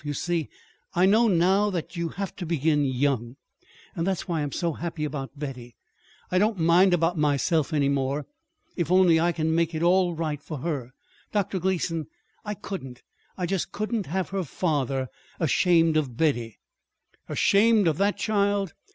You see, I know now that you have to begin young. That's why I'm so happy about Betty. I don't mind about myself any more, if only I can make it all right for her. Dr. Gleason, I couldn't I just couldn't have her father ashamed of Betty!" "Ashamed of that child!